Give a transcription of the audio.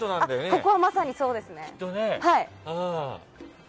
ここは、まさにそうですね。